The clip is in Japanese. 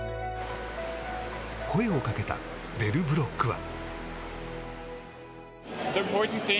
声をかけたベルブロックは。